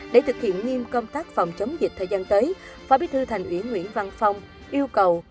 để thực hiện nghiêm công tác phòng chống dịch thời gian tới phó bí thư thành ủy nguyễn văn phong yêu cầu